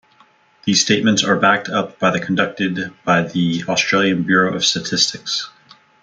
These statements are backed up by the conducted by the Australian Bureau of Statistics.